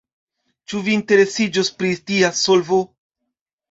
Ĉu vi interesiĝus pri tia solvo?